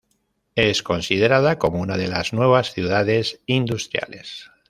Es considerada como una de las nuevas ciudades industriales.